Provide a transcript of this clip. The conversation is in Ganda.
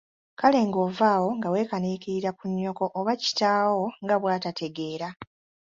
Kale ng'ova awo nga weekaniikiririra ku nnyoko oba kitaawo nga bwatategeera.